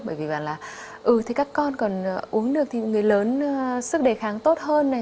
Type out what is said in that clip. bởi vì bảo là ứ thì các con còn uống được thì người lớn sức đề kháng tốt hơn này